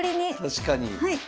確かに。